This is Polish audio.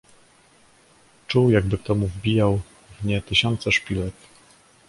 Czuł jakby mu kto wbijał w nie tysiące szpilek.